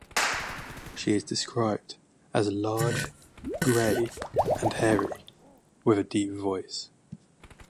She is described as large, gray, and hairy, with a deep voice.